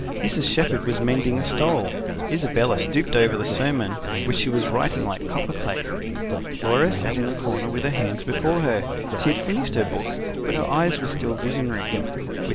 Mrs. Shepherd was mending a stole; Isabella stooped over the sermon, which she was writing like copperplate. Laura sat in a corner with her hands before her: she had finished her book, but her eyes were still visionary.